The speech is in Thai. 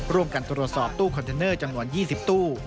ร่วมกันตรวจสอบตู้คอนเทนเนอร์จำนวน๒๐ตู้